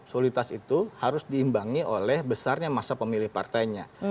soliditas itu harus diimbangi oleh besarnya masa pemilih partainya